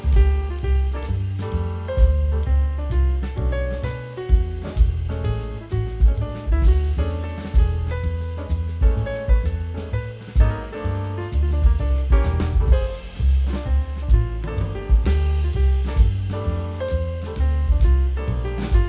siirmu tidak akan bisa menyelamatkanmu